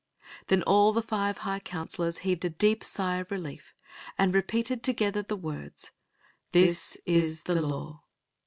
Then all the five high counselors heaved a deep sigh of relief and repeated together the words: "This is the law."